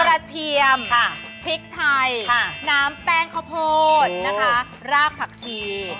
ประเทียมพริกไทยน้ำแป้งข้าวโพดรากผักที